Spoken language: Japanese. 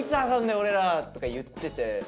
俺らとか言ってて。